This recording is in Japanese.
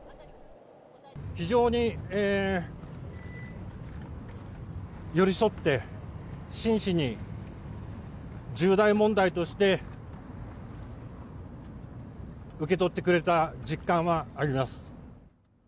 非常に寄り添って、真摯に、重大問題として、受け取ってくれた実感はあります。